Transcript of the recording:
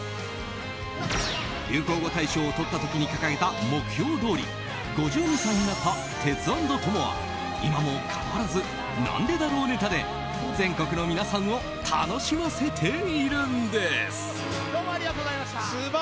流行語大賞をとった時に掲げた目標どおり５２歳になったテツａｎｄトモは今も変わらず「なんでだろう」ネタで全国の皆さんを楽しませているんです。